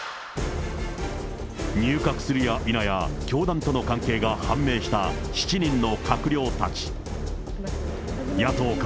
入閣するやいなや、教団との関係が判明した７人の閣僚たち。